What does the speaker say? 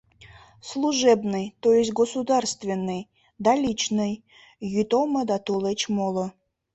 Служебный, то есть государственный, да личный — йӱд омо да тулеч моло.